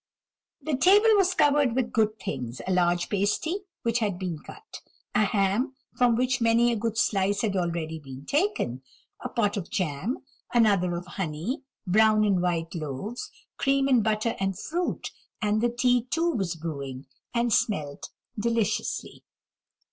The table was covered with good things; a large pasty, which had been cut; a ham, from which many a good slice had already been taken; a pot of jam, another of honey; brown and white loaves; cream and butter and fruit; and the tea, too, was brewing, and smelt deliciously.